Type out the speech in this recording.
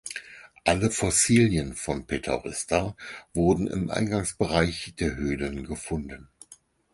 Alle Fossilien von "Petaurista" wurden im Eingangsbereich der Höhlen gefunden.